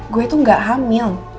gue tuh gak hamil